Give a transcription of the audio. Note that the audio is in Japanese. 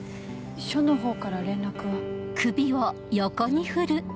署のほうから連絡は？